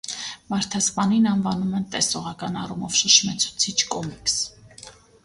«Մարդասպանին» անվանում են «տեսողական առումով շշմեցուցիչ» կոմիքս։